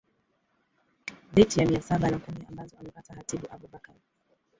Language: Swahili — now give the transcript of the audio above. dhiti ya mia saba na kumi ambazo amepata hatibu abubakar